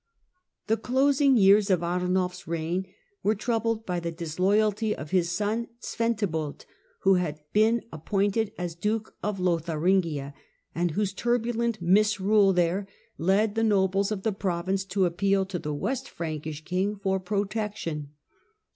The closing years of Arnulf's reign were troubled by the disloyalty of his son Zwentibold, who had been ap pointed as Duke of Lotharingia, and whose turbulent misrule there led the nobles of the province to appeal to the West Frankish king for protection.